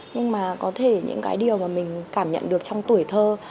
nhưng mà có thể những cái điều mà mình cảm nhận được trong tuổi thơ